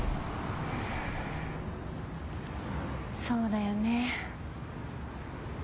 そうだよね。